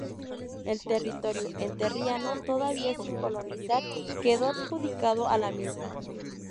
El territorio entrerriano, todavía sin colonizar, quedó adjudicado a la misma.